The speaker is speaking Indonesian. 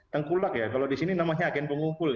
tengkulak ya kalau di sini namanya agen pengumpul